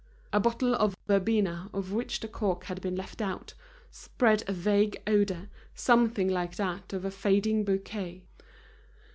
A bottle of verbena, of which the cork had been left out, spread a vague odor, something like that of a fading bouquet.